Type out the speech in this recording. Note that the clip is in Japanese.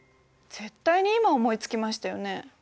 絶対に今思いつきましたよね？